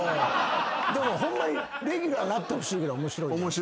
でもホンマにレギュラーなってほしいぐらい面白い。